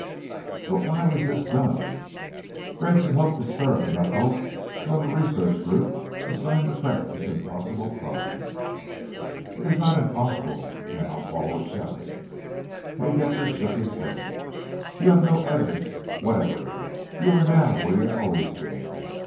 "But why was this done?" "Grayson hoped to stir up enough hope to have a research group, assigned to crack this impossible problem." "It is not impossible!" Now Paul was shouting. Haedaecker shook his head. "You have no evidence whatever. You are now where you have always been.